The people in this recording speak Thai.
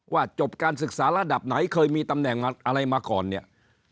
จบการศึกษาระดับไหนเคยมีตำแหน่งอะไรมาก่อนเนี่ย